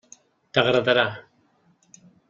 T'agradarà.